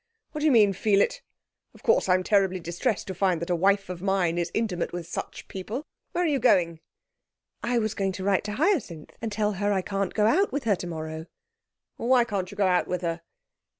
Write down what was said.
'What do you mean? Feel it? Of course, I'm terribly distressed to find that a wife of mine is intimate with such people where are you going?' 'I was going to write to Hyacinth and tell her I can't go out with her tomorrow.' 'Why can't you go out with her?'